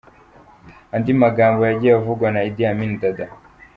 Andi magambo yagiye avugwa na Idi Amin Dada.